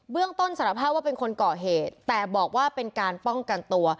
เรื่องต้นสารภาพว่าเป็นคนก่อเหตุแต่บอกว่าเป็นการป้องกันตัว